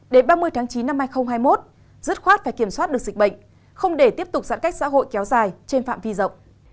đến ba mươi tháng chín năm hai nghìn hai mươi một dứt khoát phải kiểm soát được dịch bệnh không để tiếp tục giãn cách xã hội kéo dài trên phạm vi rộng